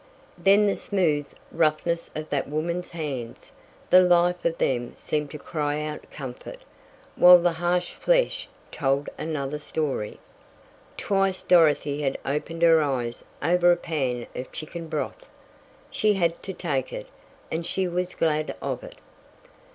Then the smooth roughness of that woman's hands, the life of them seemed to cry out comfort, while the harsh flesh told another story. Twice Dorothy had opened her eyes over a pan of chicken broth. She had to take it, and she was glad of it.